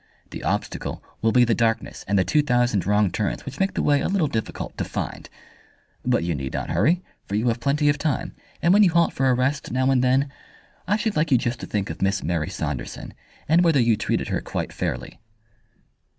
The obstacle will be the darkness and the two thousand wrong turns which make the way a little difficult to find. But you need not hurry, for you have plenty of time, and when you halt for a rest now and then, I should like you just to think of Miss Mary Saunderson, and whether you treated her quite fairly."